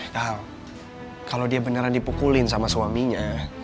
kal kalo dia beneran dipukulin sama suaminya